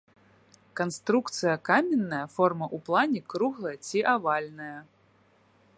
Канструкцыя каменная, форма ў плане круглая ці авальная.